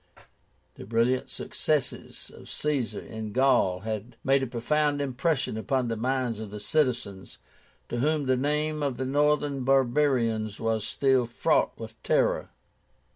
The brilliant successes of Caesar in Gaul had made a profound impression upon the minds of the citizens, to whom the name of the northern barbarians was still fraught with terror.